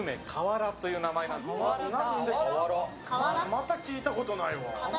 また聞いたことないわ。